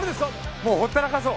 もう放ったらかそう。